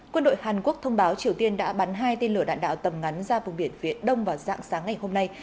quân đội hàn quốc thông báo triều tiên đã bắn hai tên lửa đạn đạo tầm ngắn ra vùng biển phía đông vào dạng sáng ngày hôm nay